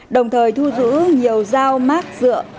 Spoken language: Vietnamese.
đồng thời thu giữ nhiều dao mát dựa